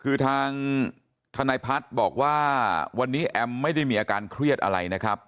คือทางทนายพัฒน์บอกว่าวันนี้แอมไม่ได้มีอาการเครียดอะไรนะครับ